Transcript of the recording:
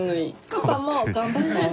パパも頑張ったよ。